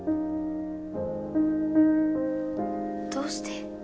どうして？